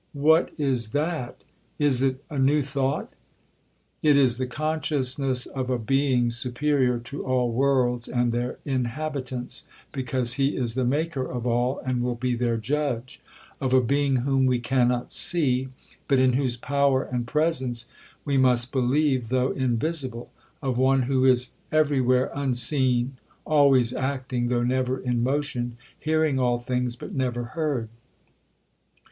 what is that? is it a new thought?'—'It is the consciousness of a Being superior to all worlds and their inhabitants, because he is the Maker of all, and will be their judge—of a Being whom we cannot see, but in whose power and presence we must believe, though invisible—of one who is every where unseen; always acting, though never in motion; hearing all things, but never heard.'